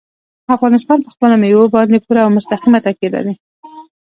افغانستان په خپلو مېوو باندې پوره او مستقیمه تکیه لري.